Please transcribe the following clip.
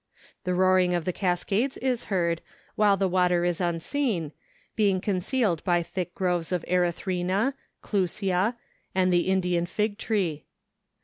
The roaring of the cascades is heard, while the water is unseen, being concealed by thick groves of erythrina, clusia, and the Indian fig tree.